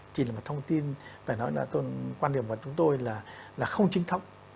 chỉ là một thông tin phải nói là quan điểm của chúng tôi là không chính thống